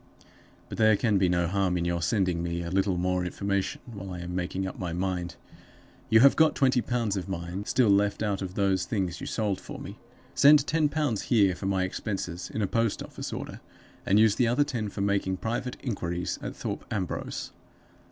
"But there can be no harm in your sending me a little more information while I am making up my mind. You have got twenty pounds of mine still left out of those things you sold for me; send ten pounds here for my expenses, in a post office order, and use the other ten for making private inquiries at Thorpe Ambrose.